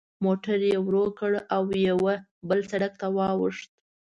موټر یې ورو کړ او یوه بل سړک ته واوښت.